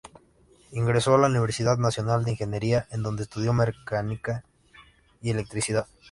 Ingresó a la Universidad Nacional de Ingeniería, en dónde estudió Mecánica y Electricidad.